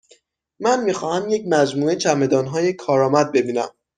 من می خواهم یک مجموعه چمدانهای کارآمد ببینم.